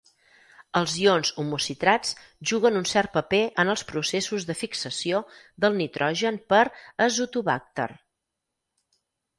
Els ions homocitrats juguen un cert paper en els processos de fixació del nitrogen per azotobàcter.